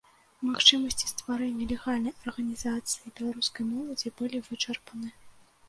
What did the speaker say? Магчымасці стварэння легальнай арганізацыі беларускай моладзі былі вычарпаны.